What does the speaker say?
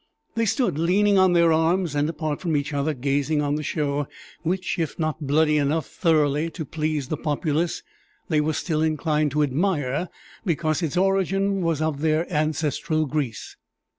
They stood leaning on their arms and apart from each other, gazing on the show, which, if not bloody enough thoroughly to please the populace, they were still inclined to admire because its origin was of their ancestral Greece.